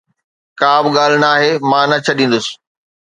ڪا به ڳالهه ناهي، مان نه ڇڏيندس